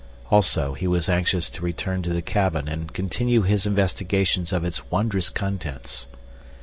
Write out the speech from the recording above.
Also, he was anxious to return to the cabin and continue his investigations of its wondrous contents.